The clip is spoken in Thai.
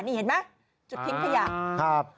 นี่เห็นไหมจุดทิ้งขยะครับ